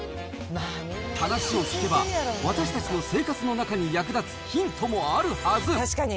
話を聞けば、私たちの生活の中に役立つヒントもあるはず。